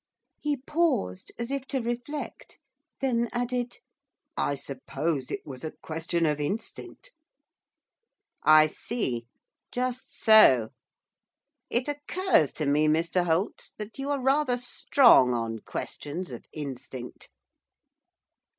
He paused, as if to reflect. Then added, 'I suppose it was a question of instinct.' 'I see. Just so. It occurs to me, Mr Holt, that you are rather strong on questions of instinct.